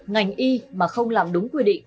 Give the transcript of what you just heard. ngành y mà không làm đúng quy định